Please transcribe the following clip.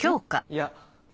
いや。